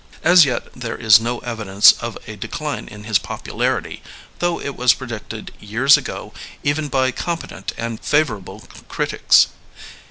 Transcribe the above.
As yet there is no evidence of a decline in his popularity, though it was predicted years ago even by competent and favorable critics.